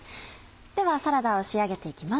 ではサラダを仕上げて行きます。